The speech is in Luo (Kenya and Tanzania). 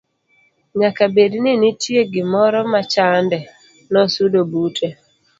nyaka bed ni nitie gimoro machande. nosudo bute